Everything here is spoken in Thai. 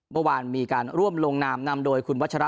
เมื่อวานมีการร่วมลงนามนำโดย